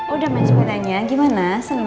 udah masih nanya gimana senang